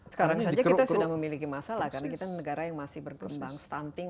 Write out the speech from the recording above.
sekarang saja kita sudah memiliki masalah karena kita negara yang masih berkembang stunting